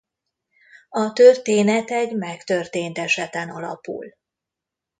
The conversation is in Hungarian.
A történet egy megtörtént eseten alapul.